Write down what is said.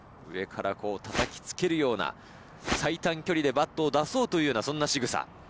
上からたたきつけるような最短距離でバットを出そうというようなそんなしぐさ。